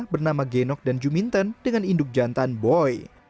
bernama genok dan juminten dengan induk jantan boy